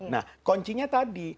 nah koncinya tadi